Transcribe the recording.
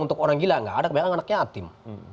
untuk orang gila nggak ada kebanyakan anak yatim